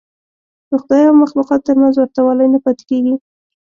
د خدای او مخلوقاتو تر منځ ورته والی نه پاتې کېږي.